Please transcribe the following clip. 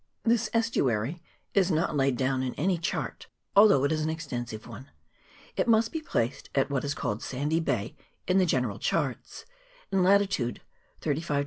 This estuary is not laid down in any chart, al though it is an extensive one ; it must be placed at what is called Sandy Bay in the general charts, in 208 NORTH CAPE.